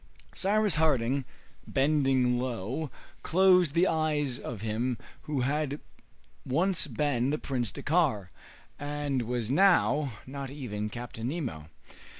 Cyrus Harding, bending low closed the eyes of him who had once been the Prince Dakkar, and was now not even Captain Nemo.